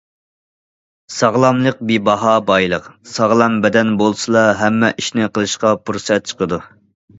ساغلاملىق بىباھا بايلىق، ساغلام بەدەن بولسىلا، ھەممە ئىشنى قىلىشقا پۇرسەت چىقىدۇ.